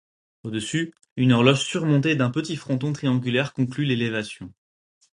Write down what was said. Au-dessus, une horloge surmontée d'un petit fronton triangulaire conclut l'élévation.